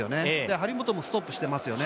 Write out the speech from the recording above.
張本もストップしてますよね。